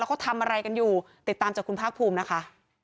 เขาทำอะไรกันอยู่ติดตามจากคุณภาคภูมินะคะ